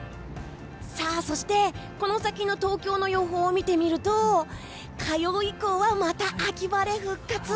この先の東京の予報を見てみると火曜以降はまた秋晴れ復活！